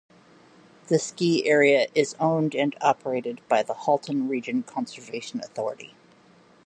The ski area is owned and operated by the Halton Region Conservation Authority.